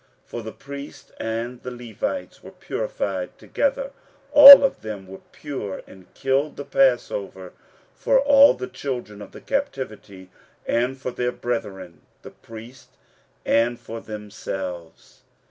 15:006:020 For the priests and the Levites were purified together, all of them were pure, and killed the passover for all the children of the captivity, and for their brethren the priests, and for themselves.